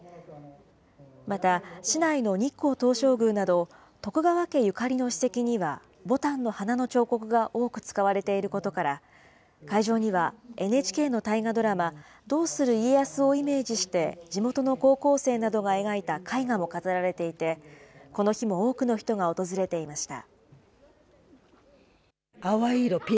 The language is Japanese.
また市内の日光東照宮など徳川家ゆかりの史跡には、ぼたんの花の彫刻が多く使われていることから、会場にはＮＨＫの大河ドラマ、どうする家康をイメージして地元の高校生などが描いた絵画も飾られていて、この日も多くの人が訪れていました。